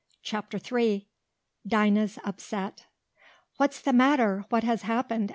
CHAPTER III DINAH'S UPSET "What's the matter? What has happened?"